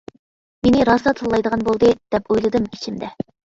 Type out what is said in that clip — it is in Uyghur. «مېنى راسا تىللايدىغان بولدى» دەپ ئويلىدىم ئىچىمدە.